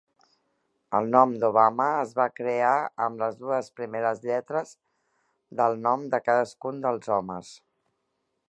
El nom Dobama es va crear amb les dues primeres lletres del nom de cadascun dels homes.